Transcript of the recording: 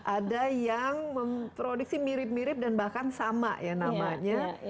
ada yang memproduksi mirip mirip dan bahkan sama ya namanya